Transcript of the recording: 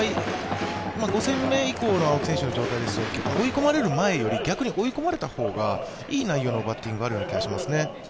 ５戦目以降の青木選手の状態、追い込まれる前より逆に追い込まれた方がいい内容のバッティングがある気がしますね。